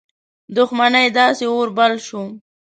دښمنۍ داسي اور بل شو.